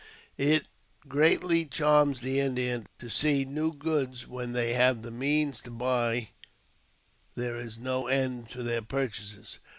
It greatly charms the Indians to see new goods ; when they have the means to buy there is no end to their purchases.